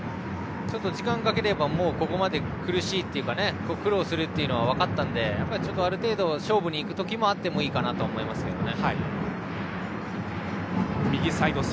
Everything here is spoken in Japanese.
時間をかければ苦しいというか苦労するというのは分かったのである程度、勝負に行くときもあっていいかなと思いますけどね。